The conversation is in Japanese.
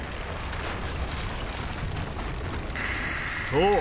そう！